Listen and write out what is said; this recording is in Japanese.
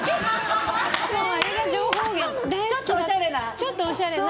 ちょっとおしゃれな！